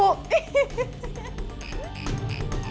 haris sama tanti